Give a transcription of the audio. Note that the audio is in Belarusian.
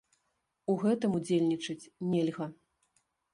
У гэтым удзельнічаць нельга.